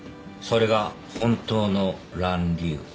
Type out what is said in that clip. それが本当のラン・リウ。